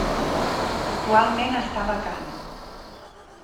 Actualment està vacant.